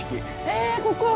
へえここ。